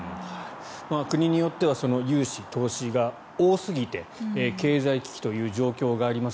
国によっては融資、投資が多すぎて経済危機という状況があります。